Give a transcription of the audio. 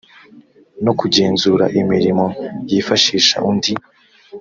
no kugenzura imirimo yifashisha undi